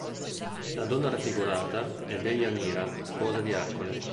La donna raffigurata è Deianira, sposa di Ercole.